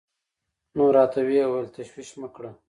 نو راته وويل تشويش مه کړه.